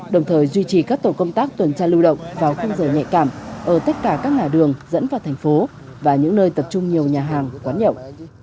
đồng thời duy trì các tổ công tác tuần tra lưu động vào khung giờ nhạy cảm ở tất cả các ngã đường dẫn vào thành phố và những nơi tập trung nhiều nhà hàng quán nhậu